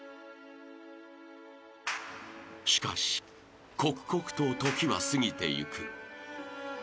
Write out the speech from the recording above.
［しかし刻々と時は過ぎていく］